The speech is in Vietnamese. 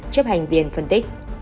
chấp hành viên phân tích